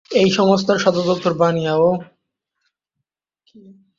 এই সংস্থার সদর দপ্তর বসনিয়া ও হার্জেগোভিনার রাজধানী সারায়েভোয় অবস্থিত।